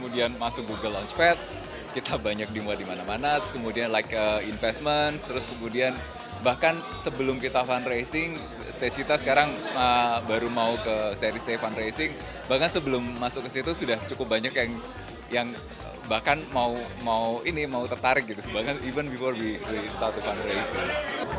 dan juga untuk mengembangkan startup di indonesia